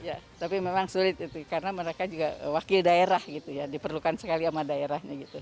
ya tapi memang sulit itu karena mereka juga wakil daerah gitu ya diperlukan sekali sama daerahnya gitu